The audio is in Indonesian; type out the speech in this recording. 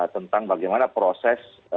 tentang bagaimana proses